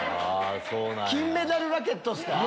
金メダルラケットっすか？